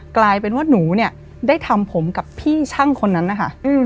กลายเป็นว่าหนูเนี่ยได้ทำผมกับพี่ช่างคนนั้นนะคะ